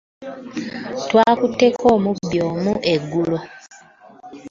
Twakuteko omubbi omu eggulo.